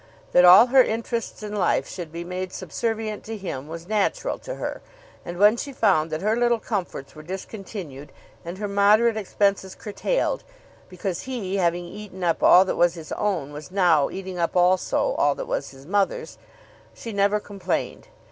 That all her interests in life should be made subservient to him was natural to her; and when she found that her little comforts were discontinued, and her moderate expenses curtailed because he, having eaten up all that was his own, was now eating up also all that was his mother's, she never complained.